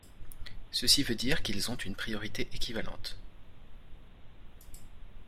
Ceci veut dire qu'ils ont une priorité équivalente.